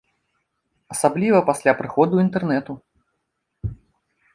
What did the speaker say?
Асабліва пасля прыходу інтэрнэту.